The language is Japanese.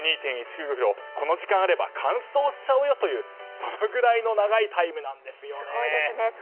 ｋｍをこの時間があれば完走しちゃうよというそのぐらいの長いタイムなんですよね。